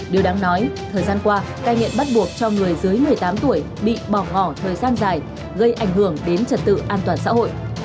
điều đáng nói thời gian qua cai nghiện bắt buộc cho người dưới một mươi tám tuổi bị bỏ ngỏ thời gian dài gây ảnh hưởng đến trật tự an toàn xã hội